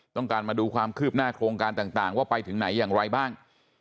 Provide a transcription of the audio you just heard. มาดูความคืบหน้าโครงการต่างว่าไปถึงไหนอย่างไรบ้าง